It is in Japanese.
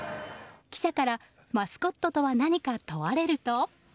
記者からマスコットとは何か問われると。